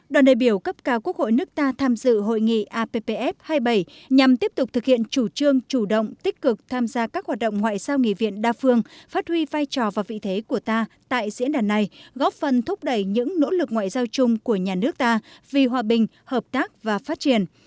đoàn đại biểu cấp cao quốc hội nước ta tham dự hội nghị appf hai mươi bảy nhằm tiếp tục thực hiện chủ trương chủ động tích cực tham gia các hoạt động ngoại giao nghị viện đa phương phát huy vai trò và vị thế của ta tại diễn đàn này góp phần thúc đẩy những nỗ lực ngoại giao chung của nhà nước ta vì hòa bình hợp tác và phát triển